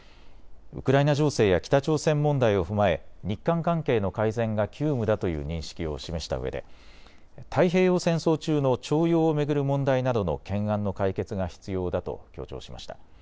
ウクライナ情勢や北朝鮮問題を踏まえ日韓関係の改善が急務だという認識を示したうえで太平洋戦争中の徴用を巡る問題などの懸案の解決が必要だと強調しました。